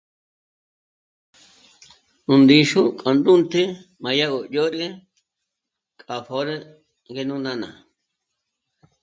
Yó ndíxu k'u ndúnt'e m'âdyà ró dyòd'ü k'a pjö̀rü ngé nú nána